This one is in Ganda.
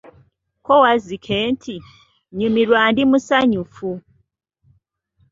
Ko Wazzike nti, nyumirwa ndi musanyufu.